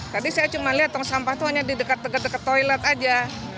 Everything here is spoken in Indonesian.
tadi saya cuma lihat tong sampah itu hanya di dekat dekat toilet aja